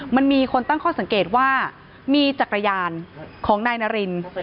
มันมีคนตั้งข้อสังเกตว่ามีจักรยานของนายนาริน